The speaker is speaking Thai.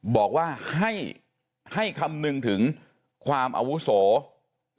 บอกว่าให้คำนึงถึงความอาวุโส